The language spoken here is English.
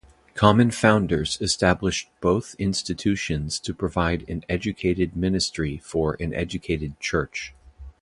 Common founders established both institutions to provide an educated ministry for an educated church.